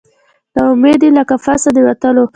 نه امید یې له قفسه د وتلو